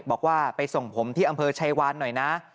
บอกว่าไปส่งผมที่อำเภอชัยวานหน่อยนะ